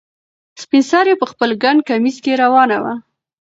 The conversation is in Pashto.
سپین سرې په خپل ګڼ کمیس کې روانه وه.